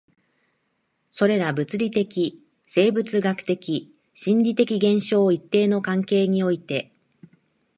それら物理的、生物学的、心理的現象を一定の関係において